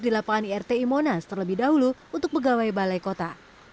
di lapangan irti monas terlebih dahulu untuk pegawai balai kota